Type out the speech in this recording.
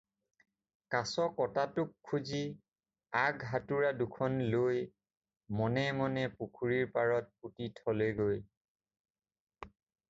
কাছ কাটোতাক খুজি আগ-হাতোৰা দুটা লৈ মনে মনে পুখুৰীৰ পাৰত পুতি থ'লেগৈ।